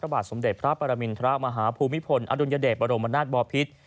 บาทสมเด็จพระปรมินทรมาฮภูมิพลอดุลยเดชบรมนาศบอพิษ